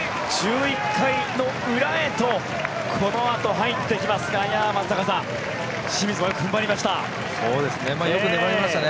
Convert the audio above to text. １１回の裏へとこのあと、入っていきますが松坂さん清水はよく踏ん張りました。